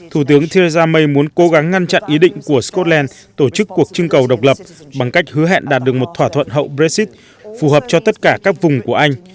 thủ tướng thier jamey muốn cố gắng ngăn chặn ý định của scotland tổ chức cuộc trưng cầu độc lập bằng cách hứa hẹn đạt được một thỏa thuận hậu brexit phù hợp cho tất cả các vùng của anh